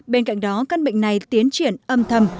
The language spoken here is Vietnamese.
bên cạnh đó căn bệnh này tiến triển âm thầm